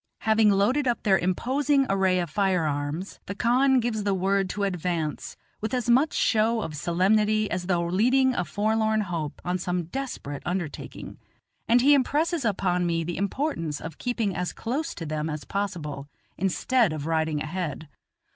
Having loaded up their imposing array of firearms, the khan gives the word to advance, with as much show of solemnity as though leading a forlorn hope on some desperate undertaking, and he impresses upon me the importance of keeping as close to then as possible, instead of riding ahead.